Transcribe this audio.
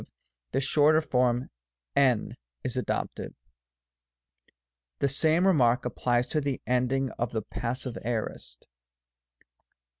the shorter form hv is adopted. The same remark applies to the end ing of the Passive Aorist.